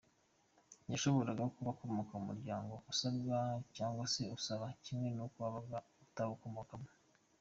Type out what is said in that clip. Yashoboraga kuba akomoka mu muryango usabwa cyangwa se usaba, kimwe n’uko yabaga atawukomokamo.